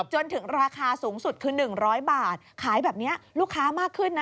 จนถึงราคาสูงสุดคือ๑๐๐บาทขายแบบนี้ลูกค้ามากขึ้นนะ